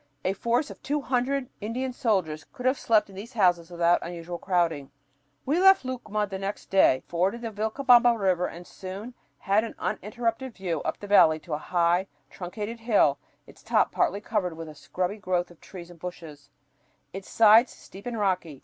A force of two hundred Indian soldiers could have slept in these houses without unusual crowding. We left Lucma the next day, forded the Vilcabamba River and soon had an uninterrupted view up the valley to a high, truncated hill, its top partly covered with a scrubby growth of trees and bushes, its sides steep and rocky.